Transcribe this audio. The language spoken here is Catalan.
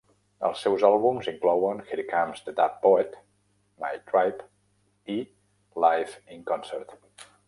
Els seus àlbums inclouen "Here Comes The Dub Poet", "My Tribe" i "Live in Concert".